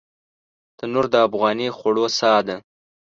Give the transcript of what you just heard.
تنور د افغاني خوړو ساه ده